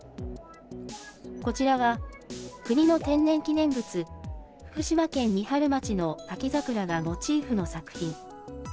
こちらは、国の天然記念物、福島県三春町の滝桜がモチーフの作品。